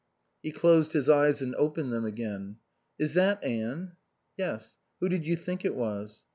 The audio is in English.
He closed his eyes and opened them again. "Is that Anne?" "Yes. Who did you think it was?"